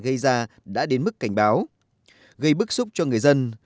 gây ra đã đến mức cảnh báo gây bức xúc cho người dân